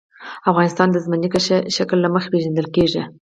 افغانستان د ځمکنی شکل له مخې پېژندل کېږي.